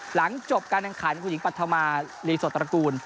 หลังจบการทางขันผู้หญิงปัฏธมารีโสตรกูล